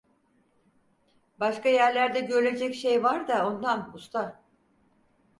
Başka yerlerde görülecek şey var da ondan, usta…